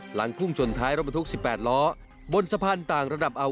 หลังพุ่งชนท้ายรถบรรทุก๑๘ล้อบนสะพานต่างระดับเอา